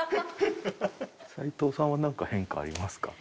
齊藤さんはなんか変化ありますか？